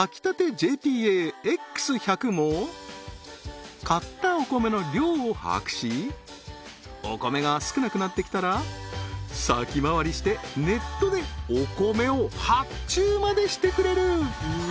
ＪＰＡ−Ｘ１００も買ったお米の量を把握しお米が少なくなってきたら先回りしてネットでお米を発注までしてくれる！